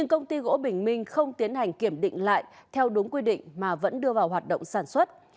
công ty gỗ bình minh không tiến hành kiểm định lại theo đúng quy định mà vẫn đưa vào hoạt động sản xuất